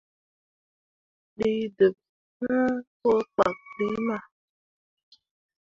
Ɗii deɓ hũũ ko kpak ɗi mah.